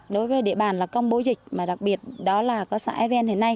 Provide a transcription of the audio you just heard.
đối với địa bàn là công bố dịch mà đặc biệt đó là có xã evn hiện nay